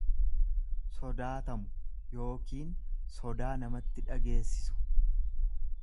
sodaatamu yookiin sodaa namatti dhageessisu.